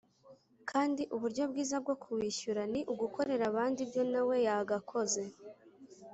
kandi uburyo bwiza bwo kuwishyura ni ugukorera abandi ibyo na we yagakoze